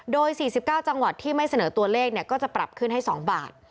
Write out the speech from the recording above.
โดย๔๙จังหวัดที่ไม่เสนอตัวเลขก็จะปรับขึ้นให้๒บาท